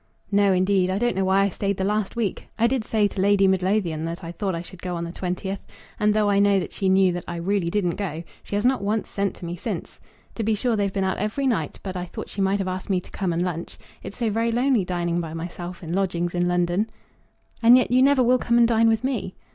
"No, indeed. I don't know why I stayed the last week. I did say to Lady Midlothian that I thought I should go on the 20th; and, though I know that she knew that I really didn't go, she has not once sent to me since. To be sure they've been out every night; but I thought she might have asked me to come and lunch. It's so very lonely dining by myself in lodgings in London." "And yet you never will come and dine with me."